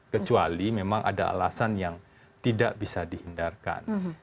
kecuali memang ada alasan yang tidak bisa dihindarkan